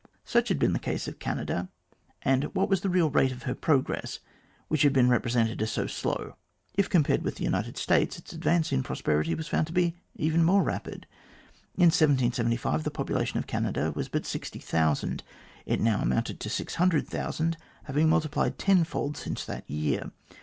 Such had been the case of Canada, and what was the real rate of her progress which had been represented as so slow ? If compared with the United States, its advance in prosperity was found to be even more rapid. In 1775 the population of Canada was but 60,000. It now amounted to 600,000, having been multiplied tenfold since that year.